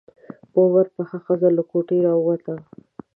په عمر پخه ښځه له کوټې راووته.